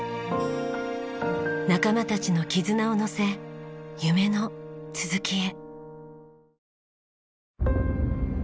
仲間たちの絆を乗せ夢の続きへ。